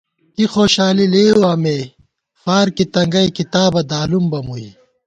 کی خوشالی لېئیوا مےفارکی تنگَئ کِتابہ دالُم بہ مُوئی